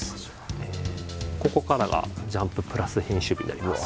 ここからが「ジャンプ＋」編集部になります。